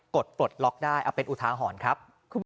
ดปลดล็อกได้เอาเป็นอุทาหรณ์ครับ